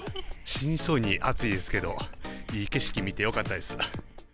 死にそうに暑いですけど、いい景色見てよかったです。